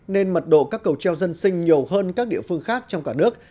nên mật độ các cầu treo dân sinh nhiều hơn các địa phương khác trong cả nước